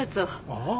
ああ。